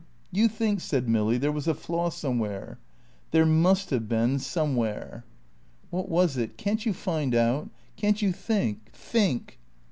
"You think," said Milly, "there was a flaw somewhere?" "There must have been somewhere ..." "What was it? Can't you find out? Can't you think? Think."